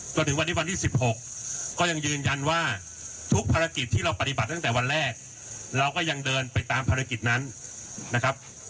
จนถึงวันนี้วันที่๑๖ก็ยังยืนยันว่าทุกภารกิจที่เราปฏิบัติตั้งแต่วันแรกเราก็ยังเดินไปตามภารกิจนั้นนะครับ